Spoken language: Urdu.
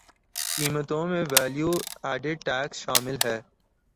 قیمتوں میں ویلیو ایڈڈ ٹیکس شامل ہے